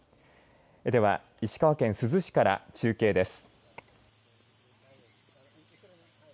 では石川県珠洲市から中継です。